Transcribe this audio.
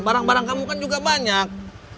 barang barang kamu kan juga banyak